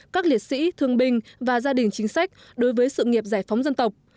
các liệt sĩ thương binh và gia đình chính sách đối với sự nghiệp giải phóng dân tộc